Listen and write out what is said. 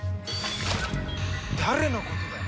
誰のことだよ？